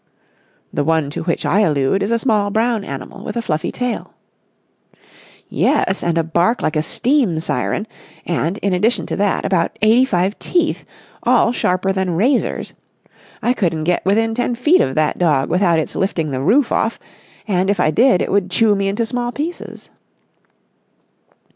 "The one to which I allude is a small brown animal with a fluffy tail." "Yes, and a bark like a steam siren, and, in addition to that, about eighty five teeth, all sharper than razors. I couldn't get within ten feet of that dog without its lifting the roof off, and, if I did, it would chew me into small pieces."